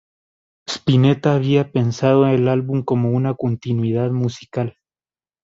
Spinetta había pensado el álbum como una continuidad musical.